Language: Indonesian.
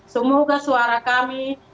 semoga suara kami